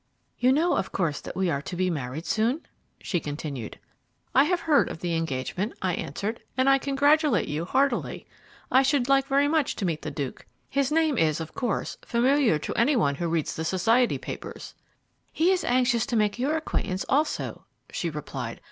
"You know, of course, that we are to be married soon?" she continued. "I have heard of the engagement," I answered, "and I congratulate you heartily. I should like much to meet the Duke. His name is, of course, familiar to any one who reads the society papers." "He is anxious to make your acquaintance also," she replied.